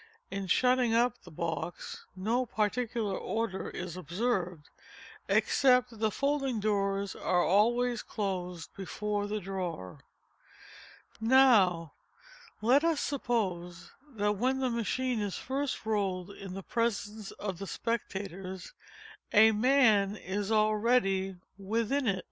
In shutting up the box no particular order is observed, except that the folding doors are always closed before the drawer. Now, let us suppose that when the machine is first rolled into the presence of the spectators, a man is already within it.